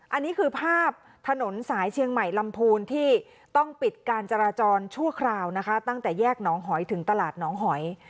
อันนี้คือภาพถนนสายเชียงใหม่ลำพูนที่ต้องปิดการจราจรชั่วคราวนะคะตั้งแต่แยกหนองหอยถึงตลาดน้องหอย